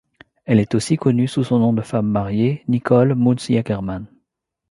Elle est aussi connue sous son nom de femme mariée, Nicole Muns-Jagerman.